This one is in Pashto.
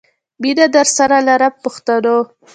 مینه درسره لرم پښتنو.